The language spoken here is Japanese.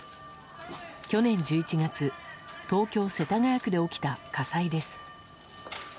去年１１月、東京・世田谷区で起きた火災です。